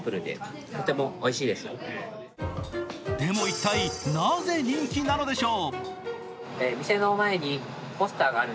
でも一体、なぜ人気なのでしょう。